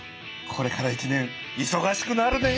これから１年いそがしくなるね！